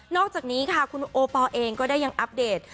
อกจากนี้ค่ะคุณโอปอลเองก็ได้ยังอัปเดต